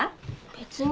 別に。